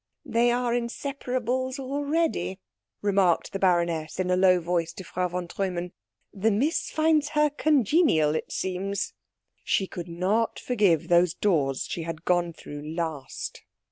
"They are inseparables already," remarked the baroness in a low voice to Frau von Treumann. "The Miss finds her congenial, it seems." She could not forgive those doors she had gone through last.